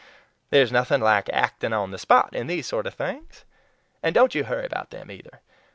There's nothing like actin' on the spot in these sort of things. And don't you hurry 'bout them either!